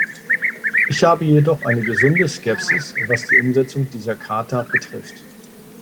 Ich habe jedoch eine gesunde Skepsis, was die Umsetzung dieser Charta betrifft.